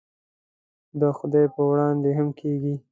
د خدای په وړاندې هم کېږي.